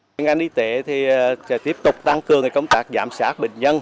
bệnh an y tế tiếp tục tăng cường công tác giám sát bệnh nhân